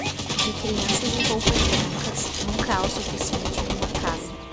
De crianças e roupas brancas, nunca há o suficiente em uma casa.